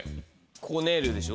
こねるでしょ。